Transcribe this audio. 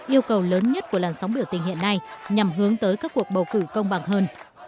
yêu cầu lớn nhất của làn sóng biểu tình hiện nay nhằm hướng tới các cuộc bầu cử công bằng hơn